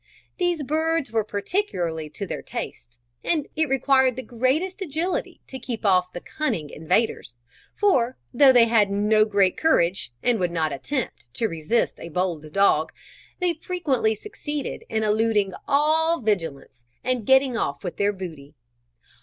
These birds were particularly to their taste, and it required the greatest agility to keep off the cunning invaders, for, though they had no great courage, and would not attempt to resist a bold dog, they frequently succeeded in eluding all vigilance and getting off with their booty.